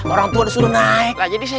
orang tua disuruh naik